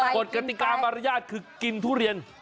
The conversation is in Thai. กฎกฎกฎิกามารยาทคือกินเทิล์ทูเรียน